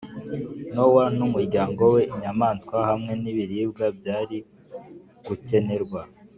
Nowa n umuryango we inyamaswa hamwe n ibiribwa byari gukenerwa